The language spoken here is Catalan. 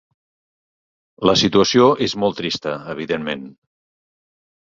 La situació és molt trista evidentment.